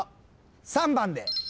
３番で。